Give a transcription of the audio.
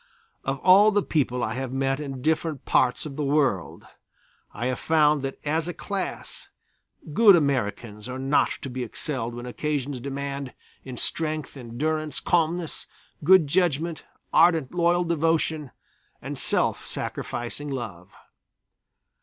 Of all the people I have met in different parts of the world, I have found that as a class, good Americans are not to be excelled when occasions demand, in strength, endurance, calmness, good judgment, ardent loyal devotion and self sacrificing love.